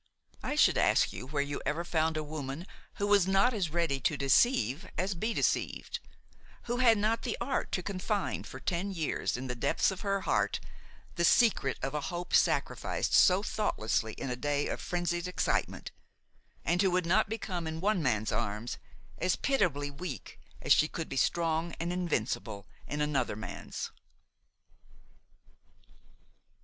I should ask you where you ever found a woman who was not as ready to deceive as to be deceived; who had not the art to confine for ten years in the depths of her heart the secret of a hope sacrificed so thoughtlessly in a day of frenzied excitement, and who would not become, in one man's arms, as pitiably weak as she could be strong and invincible in another man's.